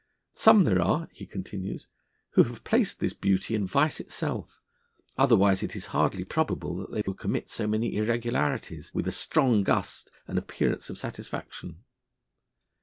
Some there are, he continues, who have placed 'this beauty in vice itself; otherwise it is hardly probable that they could commit so many irregularities with a strong gust and an appearance of satisfaction.'